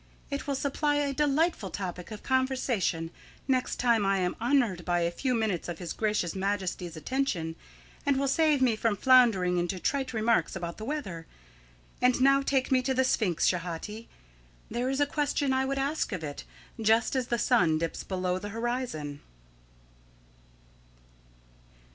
It will supply a delightful topic of conversation next time I am honoured by a few minutes of his gracious Majesty's attention, and will save me from floundering into trite remarks about the weather. And now take me to the Sphinx, Schehati. There is a question I would ask of It, just as the sun dips below the horizon."